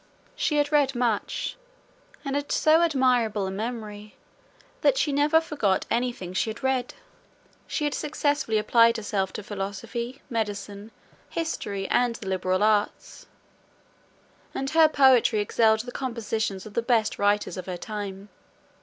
She had read much, and had so admirable a memory, that she never forgot any thing she had read. She had successfully applied herself to philosophy, medicine, history, and the liberal arts; and her poetry excelled the compositions of the best writers of her time.